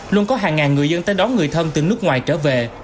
luôn có hàng ngàn người dân tới đón người thân từ nước ngoài trở về